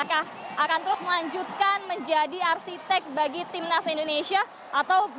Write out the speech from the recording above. apakah akan terus melanjutkan menjadi arsitek bagi timnas indonesia